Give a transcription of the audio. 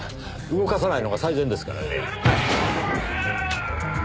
動かさないのが最善ですからね。